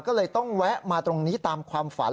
ก็เลยต้องแวะมาตรงนี้ตามความฝัน